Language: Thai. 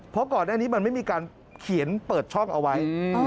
เพราะก่อนหน้านี้มันไม่มีการเขียนเปิดช่องเอาไว้